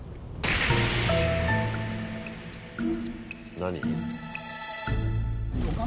何？